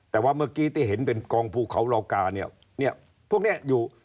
แต่ว่าเมื่อกี้ที่เห็นเป็นกองภูเขาเหล่ากาเนี่ยพวกนี้อยู่